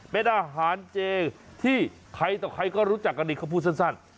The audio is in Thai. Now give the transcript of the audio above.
เป็นอาหารเจที่ใครต่อใครก็รู้จักกันดีเขาพูดสั้น